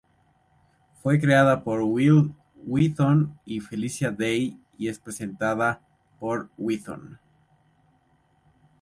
Fue creada por Wil Wheaton y Felicia Day y es presentada por Wheaton.